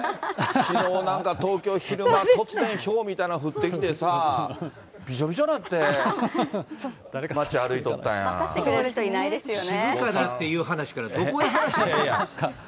きのうなんか東京昼間、突然、ひょうみたいなの降ってきてさ、びしょびしょになって、さしてくれる人いないですよ静かなっていう話から、どこに話が。